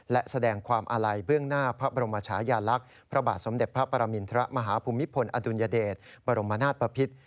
และแสดงความอาลัยเบื้องหน้าพระบรมชายาลักษณ์พระบาทสมเด็จพระปรมินทรมาฮภูมิพลอดุลยเดชบรมนาศปภิษ